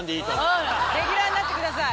レギュラーになってください。